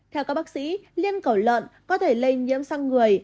theo các bác sĩ lên cổ lợn có thể lây nhiễm sang người